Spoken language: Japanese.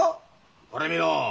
ほれ見ろ。